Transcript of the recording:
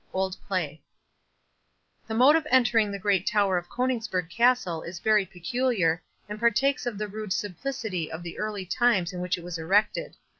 OLD PLAY The mode of entering the great tower of Coningsburgh Castle is very peculiar, and partakes of the rude simplicity of the early times in which it was erected.